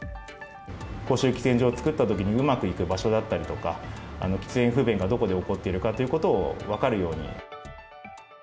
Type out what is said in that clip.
公衆喫煙所を作ったときに、うまくいく場所だったりとか、喫煙不便がどこで起こってるかということを分かるように。